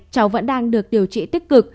cháu vẫn đang được điều trị tích cực